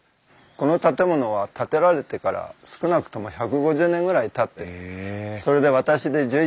この建物は建てられてから少なくとも１５０年ぐらいたっててそれで私で１１代目なんです。